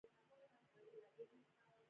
وروسته بزګرۍ او مالدارۍ ډیر تکامل وکړ.